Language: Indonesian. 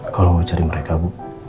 kalau mau cari mereka bu